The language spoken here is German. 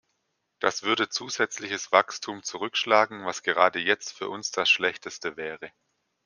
Das würde zusätzliches Wachstum zurückschlagen, was gerade jetzt für uns das schlechteste wäre.